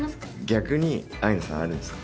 「逆にアイナさんあるんですか？」。